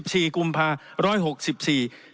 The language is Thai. เหลือ๑๖๕บาท